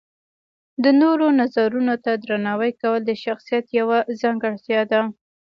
د نورو نظرونو ته درناوی کول د شخصیت یوه ځانګړتیا ده.